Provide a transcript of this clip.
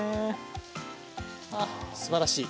ああすばらしい。